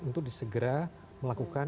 untuk disegera melakukan